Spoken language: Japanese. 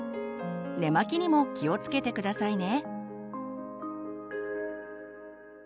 寝巻きにも気をつけて下さいね。